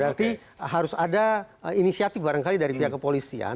berarti harus ada inisiatif barangkali dari pihak kepolisian